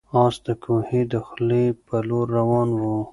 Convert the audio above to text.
آس د کوهي د خولې په لور روان و.